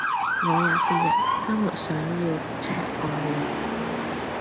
我也是人，他們想要喫我了！